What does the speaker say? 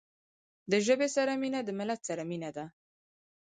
له ژبې سره مینه د ملت سره مینه ده.